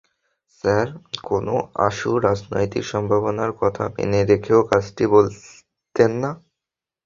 Sir কোনো আশু রাজনৈতিক সম্ভাবনার কথা মনে রেখেও কথাটি বলতেন না।